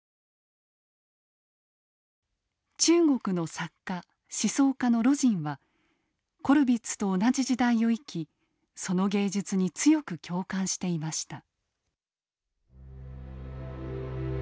中国の作家思想家の魯迅はコルヴィッツと同じ時代を生きその芸術に強く共感していました。